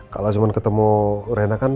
kalo cuman ketemu rena kan